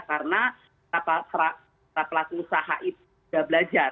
karena tata pelaku usaha itu sudah belajar